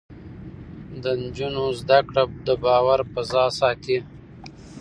د نجونو زده کړه د باور فضا ساتي.